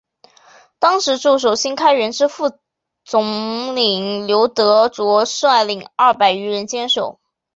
当时驻守新开园之副统领刘德杓率领二百余人坚守。